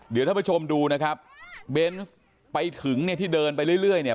เดี๋ยวท่านผู้ชมดูนะครับเบนส์ไปถึงเนี่ยที่เดินไปเรื่อยเนี่ย